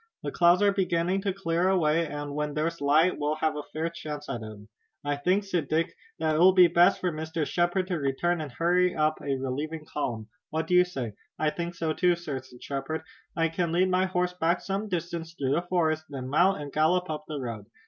The clouds are beginning to clear away, and when there's light we'll have a fair chance at 'em." "I think," said Dick, "that it will be best for Mr. Shepard to return and hurry up a relieving column. What do you say?" "I think so too, sir," said Shepard. "I can lead my horse back some distance through the forest, then mount and gallop up the road.